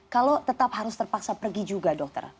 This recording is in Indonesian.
kalau tetap harus terpaksa pergi juga dokter